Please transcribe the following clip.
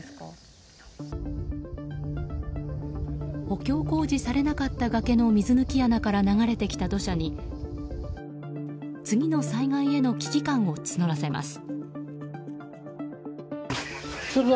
補強工事されなかった崖の水抜き穴から流れてきた土砂に次の災害への危機感を募らせます。